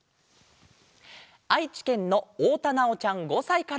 あいちけんのおおたなおちゃん５さいから。